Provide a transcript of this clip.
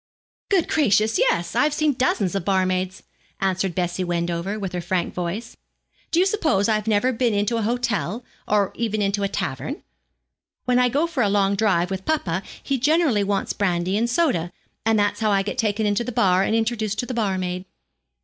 'Good gracious, yes; I've seen dozens of barmaids,' answered Bessie Wendover, with her frank voice. 'Do you suppose I've never been into an hotel, or even into a tavern? When I go for a long drive with papa he generally wants brandy and soda, and that's how I get taken into the bar and introduced to the barmaid.'